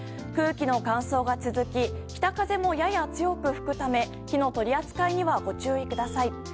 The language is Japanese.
空気の乾燥が続き北風も、やや強く吹くため火の取り扱いにはご注意ください。